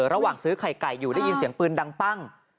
ระหว่างซื้อไข่ไก่อยู่ได้ยินเสียงปืนดังปั้ง